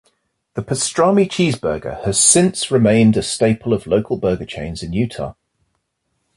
The pastrami cheeseburger has since remained a staple of local burger chains in Utah.